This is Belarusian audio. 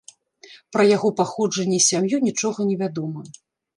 Пра яго паходжанне і сям'ю нічога не вядома.